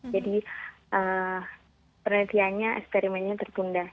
jadi penelitiannya eksperimennya tertunda